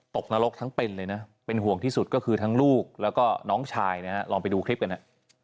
นรกทั้งเป็นเลยนะเป็นห่วงที่สุดก็คือทั้งลูกแล้วก็น้องชายนะฮะลองไปดูคลิปกันฮะ